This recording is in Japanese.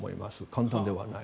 簡単ではない。